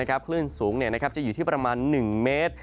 คลื่นสูงจะอยู่ที่ประมาณ๑เมตร